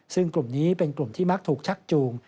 ซึ่งกลุ่มนี้เป็นกลุ่มที่มักถูกชักจูง